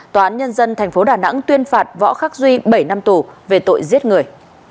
tòa án nhân dân tp đà nẵng tuyên phạt võ khắc duy bảy năm tù về tội giết người